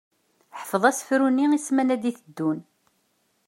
Ḥfeḍ asefru-nni i ssmanan i d-iteddun.